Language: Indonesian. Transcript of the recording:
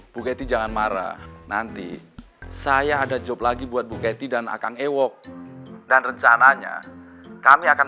bukai jangan marah nanti saya ada job lagi buat bukai dan akan e work dan rencananya kami akan